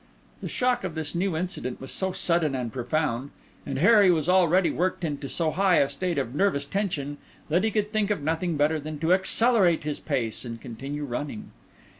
The shock of this new incident was so sudden and profound, and Harry was already worked into so high a state of nervous tension, that he could think of nothing better than to accelerate his pace, and continue running.